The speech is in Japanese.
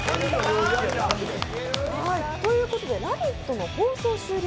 「ラヴィット！」の放送終了